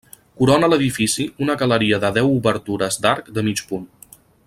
Corona l'edifici una galeria de deu obertures d'arc de mig punt.